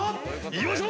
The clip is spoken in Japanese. よいしょ！